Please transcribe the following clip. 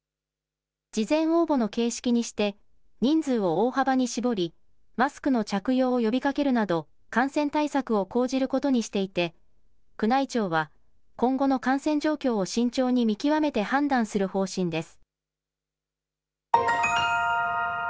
事前応募の形式にして人数を大幅に絞りマスクの着用を呼びかけるなど感染対策を講じることにしていて宮内庁は今後の感染状況を慎重に見極めて判断する方針です。